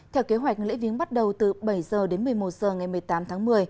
theo kế hoạch lễ viếng bắt đầu từ bảy h đến một mươi một h ngày một mươi tám tháng một mươi